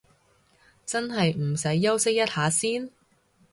真係唔使休息一下先？